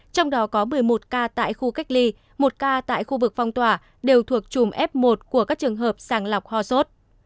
trong đó có một mươi một ca tại khu cách ly một ca tại khu vực phong tỏa đều thuộc chùm f một của các trường hợp sàng lọc ho sốt